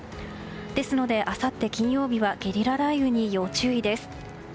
ですのであさって金曜日はゲリラ雷雨に要注意です。